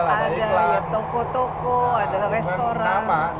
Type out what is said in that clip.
ada toko toko ada restoran